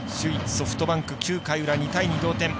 ソフトバンク９回裏、２対２同点。